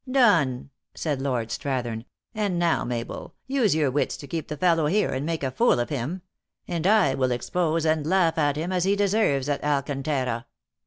" Done," said Lord Strathern ;" and now, Mabel, use your wits to keep the fellow here, and make a fool of him ; and I will expose and laugh at him, as he deserves, at Alcantara."